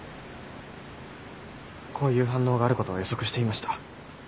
こういう反応があることは予測していました。